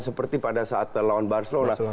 seperti pada saat lawan barcelona